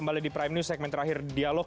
kembali di prime news segmen terakhir dialog